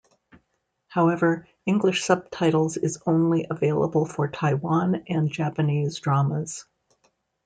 However, English subtitles is only available for Taiwan and Japanese dramas.